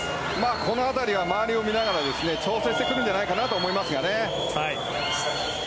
この辺りは周りを見ながら調整してくるんじゃないかと思いますがね。